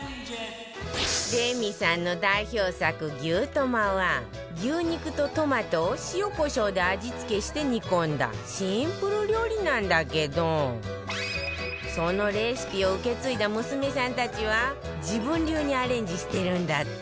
レミさんの代表作牛トマは牛肉とトマトを塩コショウで味付けして煮込んだシンプル料理なんだけどそのレシピを受け継いだ娘さんたちは自分流にアレンジしてるんだって